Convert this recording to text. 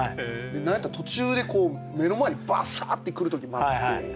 なんやったら途中で目の前にバサッて来る時もあって。